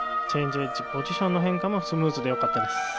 チェンジエッジ、ポジションの変化もスムーズでよかったです。